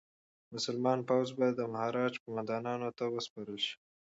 مسلمان فوج به د مهاراجا قوماندانانو ته وسپارل شي.